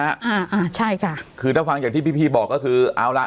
อ่าอ่าใช่ค่ะคือถ้าฟังอย่างที่พี่พี่บอกก็คือเอาล่ะ